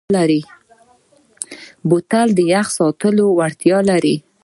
بوتل د یخ ساتلو وړتیا لري.